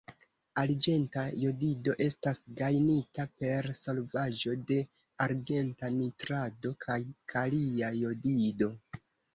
Arĝenta jodido estas gajnita per solvaĵo de arĝenta nitrato kaj kalia jodido.